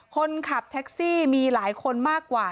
คนขับแท็กซี่มีหลายคนมากกว่า